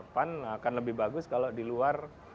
pan akan lebih bagus kalau di luar